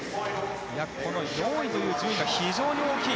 この４位という順位が非常に大きい。